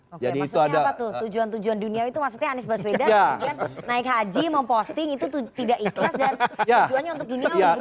maksudnya apa tuh tujuan tujuan duniawi itu maksudnya anis bas beda naik haji memposting itu tidak ikhlas dan tujuannya untuk duniawi begitu pak sirwan